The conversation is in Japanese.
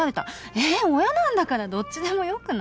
え親なんだからどっちでもよくない？